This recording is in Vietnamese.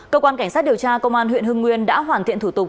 cơ quan cảnh sát điều tra công an huyện hưng nguyên đã hoàn thiện thủ tục